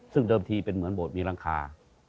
ซึ่งเดิมทีเป็นเหมือนโบสถมีหลังคา